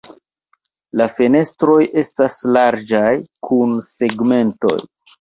La fenestroj estas larĝaj kun segmentoj.